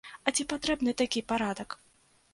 А ці патрэбны такі парадак?